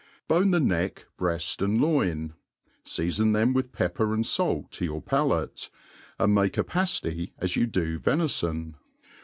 Bone the neck, bread, and loin ; (eafon them with pepper and fait to your palate, and make a pafty as you do venifon.